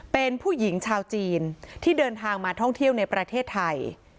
เป็นผู้หญิงชาวจีนที่เดินทางมาท่องเที่ยวในประเทศไทย